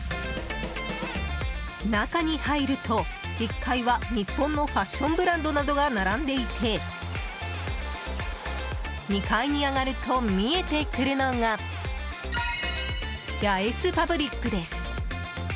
中に入ると、１階は日本のファッションブランドなどが並んでいて２階に上がると見えてくるのがヤエスパブリックです。